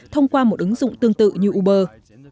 thông qua một ứng dụng tương tự như uber